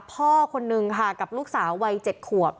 คนนึงค่ะกับลูกสาววัย๗ขวบ